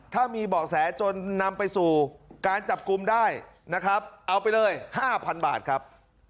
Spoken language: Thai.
ถ้ามีเบาะแสจนนำไปสู่การจับกลุ่มได้นะครับเอาไปเลย๕๐๐บาทครับ